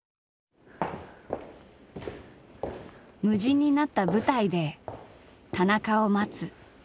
無人になった舞台で田中を待つ。